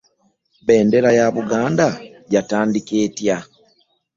Bendera ya buganda yatandika etya?